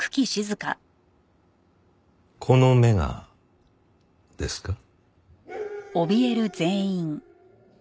この目がですか？